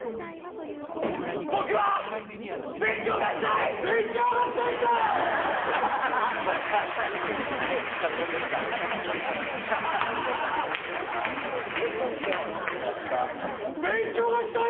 僕は勉強がしたい。